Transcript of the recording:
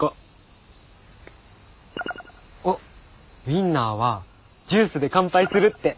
ウインナーは「ジュースで乾杯する」って。